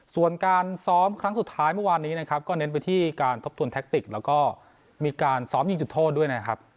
ส่วนการซ้อมครั้งสุดท้ายเมื่อวานนี้นะครับก็เน้นไปที่การทบทวนแท็กติกแล้วก็มีการซ้อมยิงจุดโทษด้วยนะครับ